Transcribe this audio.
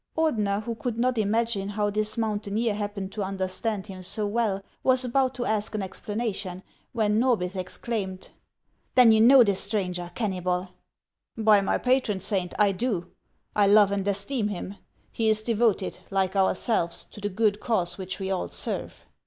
Ordener, who could not imagine how this mountaineer happened to understand him so well, was about to ask an explanation, when Norbith exclaimed :" Then you know this stranger, Kennybol ?"" By in}' patron saint, 1 do ! I love and esteem him. He is devoted, like ourselves, to the good cause which we all serve."